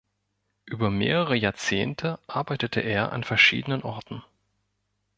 Über mehrere Jahrzehnte arbeitete er an verschiedenen Orten.